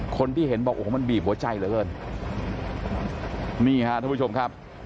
คนที่เห็นบอกโอ้โหมันบีบหัวใจเหลือเกินนี่ฮะท่านผู้ชมครับ